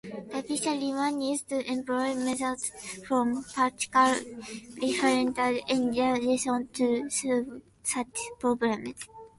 Typically one needs to employ methods from partial differential equations to solve such problems.